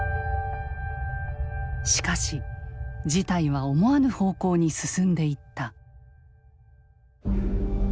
しかし事態は思わぬ方向に進んでいった。